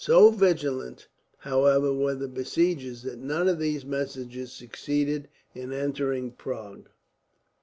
So vigilant, however, were the besiegers that none of these messengers succeeded in entering Prague.